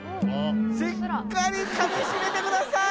しっかりかみしめてください！